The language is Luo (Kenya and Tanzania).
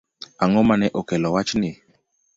Ang'o mane okelo wach ni?